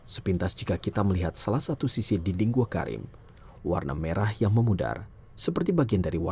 sepintas jika kita melihat salah satu sisi dinding gua karim warna merah yang memudar seperti bagian dari wajah